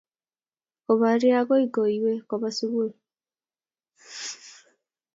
koporie akoi koiywei kopa sukul